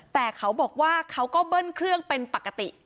แต่เขาบอกว่าเขาก็เบิ้ลเครื่องเป็นปกติ